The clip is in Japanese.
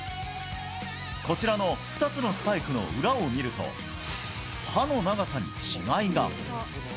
こちらの２つのスパイクの裏を見ると、歯の長さに違いが。